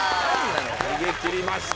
逃げ切りました